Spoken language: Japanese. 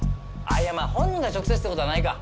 あっいやまあ本人が直接って事はないか。